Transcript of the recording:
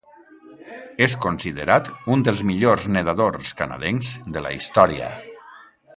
És considerat un dels millors nedadors canadencs de la història.